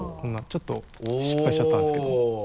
ちょっと失敗しちゃったんですけど。